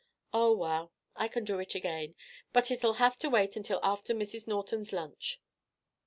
Oh, well, I can do it again. But it'll have to wait until after Mrs. Norton's lunch."